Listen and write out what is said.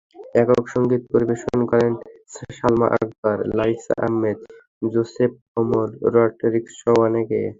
একক সংগীত পরিবেশন করেন সালমা আকবর, লাইসা আহমেদ, জোসেফ কমল রডরিক্সসহ অনেকে।